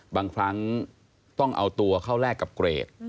บางครั้งต้องเอาตัวเข้าแลกกับเกรด